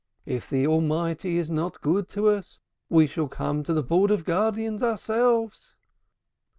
If the Almighty is not good to us, we shall come to the Board of Guardians ourselves."